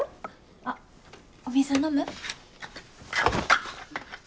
あっお水う飲む？